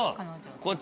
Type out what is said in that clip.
こっち。